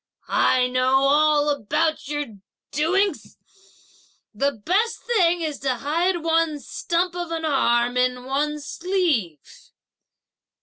I know all about your doings; the best thing is to hide one's stump of an arm in one's sleeve!"